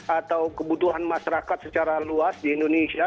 atau kebutuhan masyarakat secara luas di indonesia